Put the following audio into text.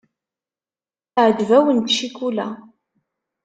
Teɛjeb-awent ccikula.